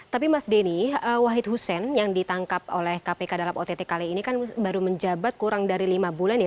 tapi mas denny wahid hussein yang ditangkap oleh kpk dalam ott kali ini kan baru menjabat kurang dari lima bulan ya